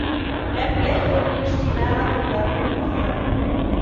لم يحضر الاجتماع طلاب كثر.